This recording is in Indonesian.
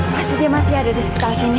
pasti dia masih ada di sekitar sini